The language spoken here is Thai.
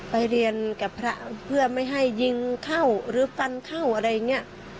ไปเรียนกับพระเพื่อไม่ให้ยิงเข้าหรือฟันเข้าอะไรอย่างนี้